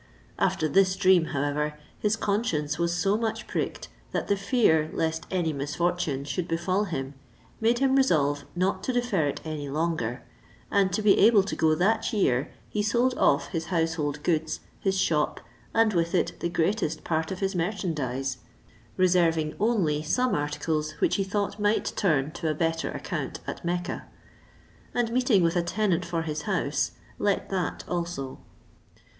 After this dream, however, his conscience was so much pricked, that the fear lest any misfortune should befall him made him resolve not to defer it any longer; and to be able to go that year, he sold off his household goods, his shop, and with it the greatest part of his merchandize, reserving only some articles, which he thought might turn to a better account at Mecca; and meeting with a tenant for his house, let that also.